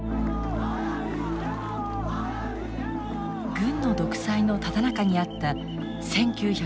軍の独裁のただ中にあった１９８８年。